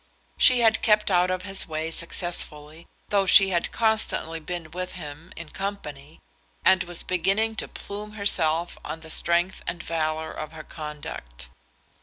She had kept out of his way successfully, though she had constantly been with him in company, and was beginning to plume herself on the strength and valour of her conduct.